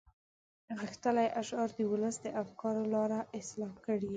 غښتلي اشعار د ولس د افکارو لاره اصلاح کړي.